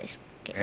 え